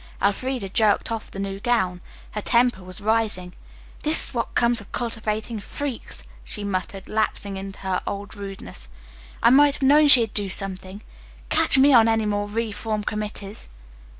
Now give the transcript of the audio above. Elfreda jerked off the new gown. Her temper was rising. "This is what comes of cultivating freaks," she muttered, lapsing into her old rudeness. "I might have known she'd do something. Catch me on any more reform committees!"